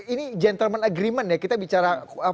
ini gentleman agreement ya kita bicara